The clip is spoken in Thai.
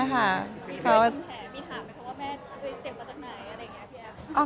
มีถามว่าแม่เจ็บมาจากไหนอะไรอย่างนี้ค่ะ